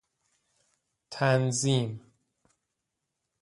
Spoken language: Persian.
تنظیم